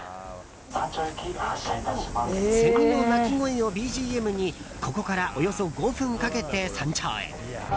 セミの鳴き声をＢＧＭにここからおよそ５分かけて山頂へ。